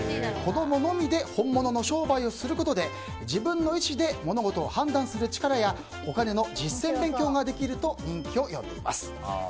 子供のみで本物の商売をすることで自分の意思で物事を判断する力やお金の実践勉強ができると人気を呼んでいます。